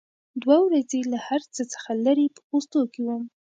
دوه ورځې له هر څه څخه لرې په پوستو کې وم.